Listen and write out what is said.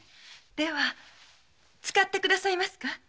では使ってくださいますか？